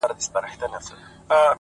د خپل ښايسته خيال پر رنگينه پاڼه;